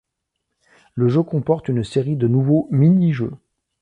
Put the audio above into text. Le jeu comporte une série de nouveaux mini-jeux.